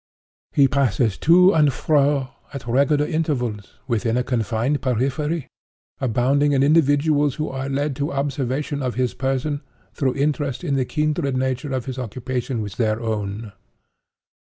He passes to and fro, at regular intervals, within a confined periphery, abounding in individuals who are led to observation of his person through interest in the kindred nature of his occupation with their own.